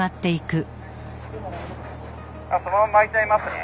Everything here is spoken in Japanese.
・そのまま巻いちゃいますね。